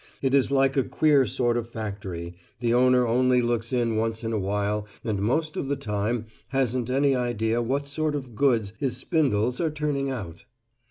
It is like a queer sort of factory the owner only looks in once in a while and most of the time hasn't any idea what sort of goods his spindles are turning out.